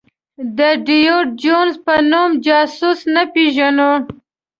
د ډېویډ جونز په نوم جاسوس نه پېژنو.